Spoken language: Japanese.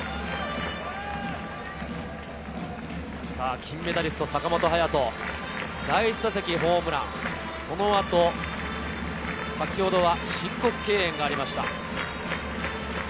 金メダリスト坂本勇人、第１打席ホームラン、そのあと先ほどは申告敬遠がありました。